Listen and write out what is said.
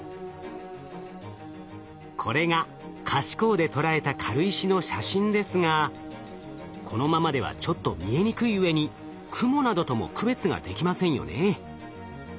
これが可視光で捉えた軽石の写真ですがこのままではちょっと見えにくいうえに雲などとも区別ができませんよね。